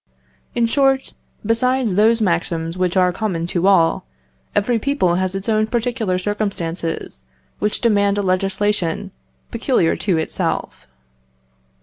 In short, besides those maxims which are common to all, every people has its own particular circumstances, which demand a legislation peculiar to itself.